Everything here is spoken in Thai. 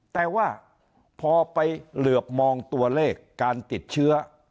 แต่ว่าพอไปเหลือบมองตัวเลขการติดเชื้อ